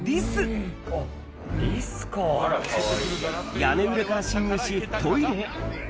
屋根裏から侵入しトイレへ。